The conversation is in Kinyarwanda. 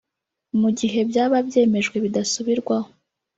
mu gihe byaba byemejwe bidasubirwaho